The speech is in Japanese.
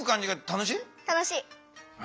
楽しい。